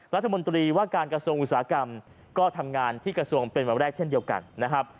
รัฐมนตรีว่าการกระทรวงอุตสาหกรรมก็ทำงานที่กระทรวงเป็นวันแรกเช่นเดียวกันนะครับ